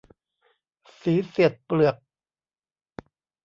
สีเสียดเปลือก